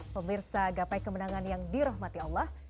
pemirsa gapai kemenangan yang dirahmati allah